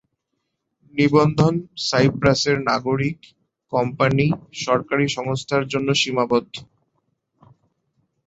নিবন্ধন সাইপ্রাসের নাগরিক, কম্পানি, সরকারি সংস্থার জন্য সীমাবদ্ধ।